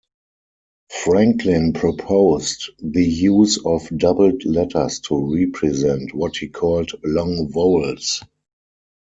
Franklin proposed the use of doubled letters to represent what he called long vowels.